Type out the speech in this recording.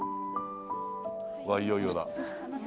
わっいよいよだ。